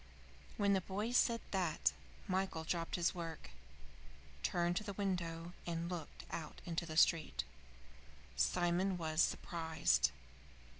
When the boy said that, Michael dropped his work, turned to the window, and looked out into the street. Simon was surprised.